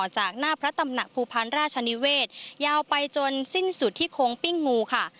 จากหน้าพระตำหนักภูพันธ์ราชนิเวศยาวไปจนสิ้นสุดที่โค้งปิ้งงูค่ะ